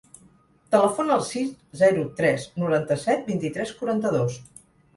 Telefona al sis, zero, tres, noranta-set, vint-i-tres, quaranta-dos.